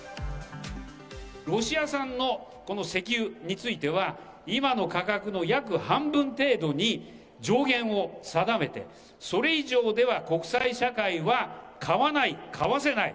ロシア産のこの石油については、今の価格の約半分程度に、上限を定めて、それ以上では国際社会は、買わない、買わせない。